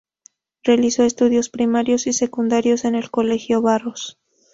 Realizó estudios primarios y secundarios en el Colegio Barros.